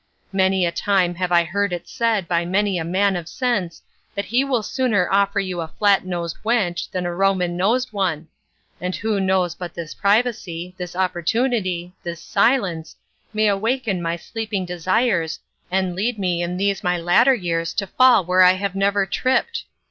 Many a time have I heard it said by many a man of sense that he will sooner offer you a flat nosed wench than a roman nosed one; and who knows but this privacy, this opportunity, this silence, may awaken my sleeping desires, and lead me in these my latter years to fall where I have never tripped?